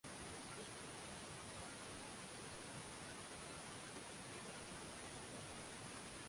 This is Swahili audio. ya kwanza nikiingia huku mwezi wa tatu walikuwa wananipatia elfu